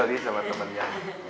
eh ini sama temennya